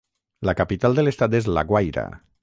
La capital de l'estat és La Guaira.